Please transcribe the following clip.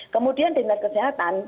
kemudian dengan kesehatan